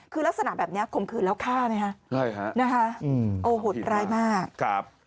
คือลักษณะแบบนี้คมคืนแล้วฆ่านะคะโอหุดรายมาก